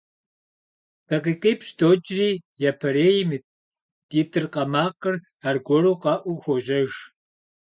ДакъикъипщӀ докӀри, япэрейм и тӀыркъэ макъыр аргуэру къэӀуу хуожьэж.